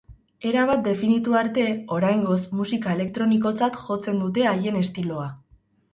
Erabat definitu arte, oraingoz, musika elektronikotzat jotzen dute haien estiloa.